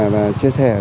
và chia sẻ